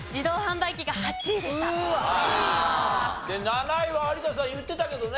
７位は有田さん言ってたけどね。